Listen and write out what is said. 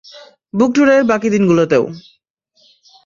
বুক ট্যুরের বাকি দিনগুলোতেও।